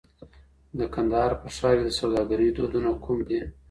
د کندهار په ښار کي د سوداګرۍ دودونه کوم دي؟